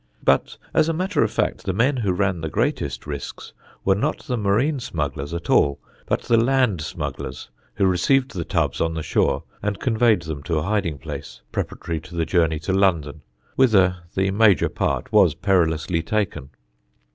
But as a matter of fact the men who ran the greatest risks were not the marine smugglers at all, but the land smugglers who received the tubs on the shore and conveyed them to a hiding place preparatory to the journey to London, whither the major part was perilously taken.